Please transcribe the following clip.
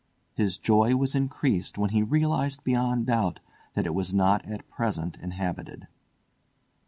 His joy was increased when he realised beyond doubt that it was not at present inhabited.